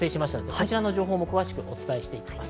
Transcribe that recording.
こちらの情報も詳しくお伝えします。